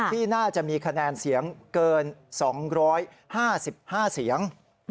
ที่น่าจะมีคะแนนเสียงเกิน๒๕๕เสียง